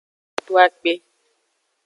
Do akpe.